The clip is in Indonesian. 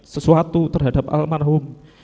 sesuatu terhadap almarhum